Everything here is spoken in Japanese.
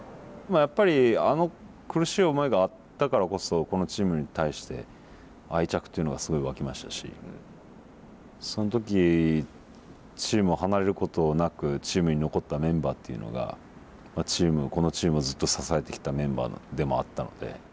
やっぱりあの苦しい思いがあったからこそこのチームに対して愛着というのがすごい湧きましたしその時チームを離れることなくチームに残ったメンバーっていうのがこのチームをずっと支えてきたメンバーでもあったので。